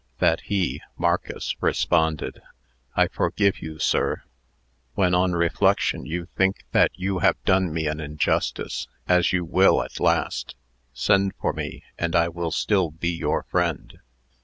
That he (Marcus) responded, "I forgive you, sir. When, on reflection, you think that you have done me injustice as you will, at last send for me, and I will still be your friend."